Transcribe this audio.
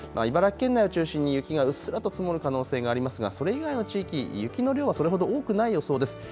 茨城県内を中心に雪がうっすらと積もる可能性がありますがそれ以外の地域、雪の量はそれほど多くない予想です。